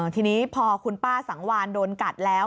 ทีนี้พอคุณป้าสังวานโดนกัดแล้ว